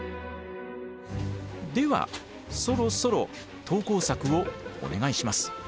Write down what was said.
ではそろそろ投稿作をお願いします。